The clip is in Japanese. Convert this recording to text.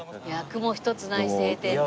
雲一つない晴天で。